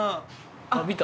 あっ見た。